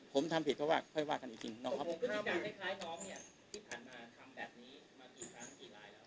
ผมทำผิดเพราะว่าค่อยว่ากันจริงน้องครับที่ผ่านมาทำแบบนี้มากี่ครั้งกี่รายแล้ว